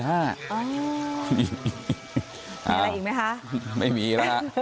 มีอะไรอีกไหมคะไม่มีแล้วฮะ